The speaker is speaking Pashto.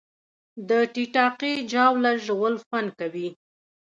د ټیټاقې جاوله ژوول خوند کوي